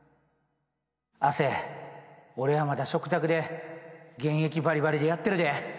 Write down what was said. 亜生俺はまだ食卓で現役バリバリでやってるで。